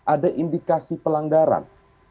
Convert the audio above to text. ada indikasi pelanggaran